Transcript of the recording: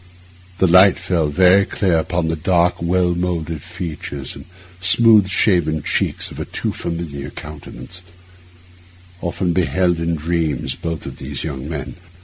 The light fell very clear upon the dark, well moulded features and smooth shaven cheeks of a too familiar countenance, often beheld in dreams of both of these young men.